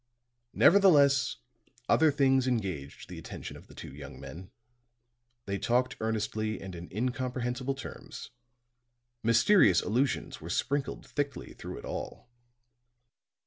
Nevertheless other things engaged the attention of the two young men; they talked earnestly and in incomprehensible terms; mysterious allusions were sprinkled thickly through it all.